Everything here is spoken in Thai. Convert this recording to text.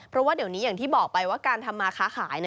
เพราะว่าเดี๋ยวนี้อย่างที่บอกไปว่าการทำมาค้าขาย